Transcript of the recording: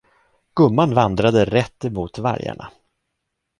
Gumman vandrade rätt emot vargarna.